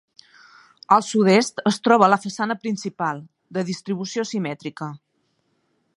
Al sud-est es troba la façana principal, de distribució simètrica.